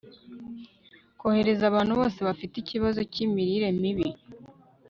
kohereza abantu bose bafite ikibazo cy'imirire mibi